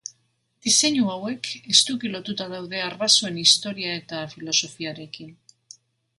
Diseinu hauek, estuki lotuta daude arbasoen historia eta filosofiarekin.